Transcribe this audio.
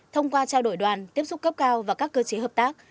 thông qua trao đổi đoàn tiếp xúc cấp cao và các cơ chế hợp tác